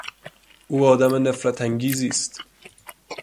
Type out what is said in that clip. او آدم نفرت انگیزی است.